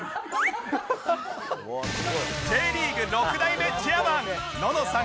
Ｊ リーグ６代目チェアマンののさん